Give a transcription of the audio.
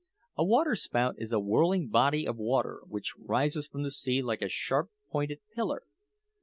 A waterspout is a whirling body of water, which rises from the sea like a sharp pointed pillar.